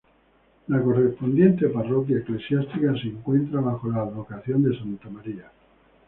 La correspondiente parroquia eclesiástica se encuentra bajo la advocación de santa María.